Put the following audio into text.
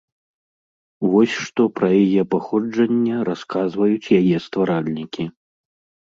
Вось што пра яе паходжанне расказваюць яе стваральнікі.